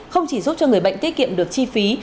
không chỉ giúp cho người bệnh tiết kiệm được chi phí